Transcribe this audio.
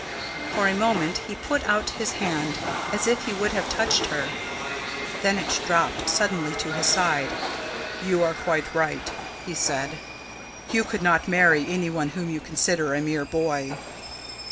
For a moment he put out his hand as if he would have touched her. Then it dropped heavily to his side. "You are quite right," he said. "You could not marry any one whom you consider a mere boy."